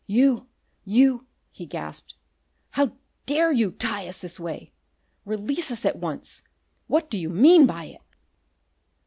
"You you " he gasped. "How dare you tie us this way! Release us at once! What do you mean by it?"